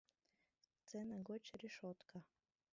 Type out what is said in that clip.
Сцена гоч решотка.